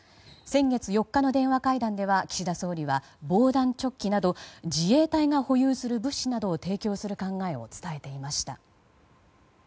先月４日の電話会談では岸田総理は防弾チョッキなど自衛隊が保有する物資などを提供する考えを伝えていました。